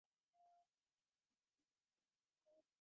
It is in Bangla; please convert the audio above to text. পাতা গুনছে, কিছু পড়ছে না।